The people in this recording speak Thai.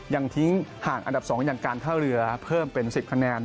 ยังทิ้งห่างอันดับ๒อย่างการท่าเรือเพิ่มเป็น๑๐คะแนน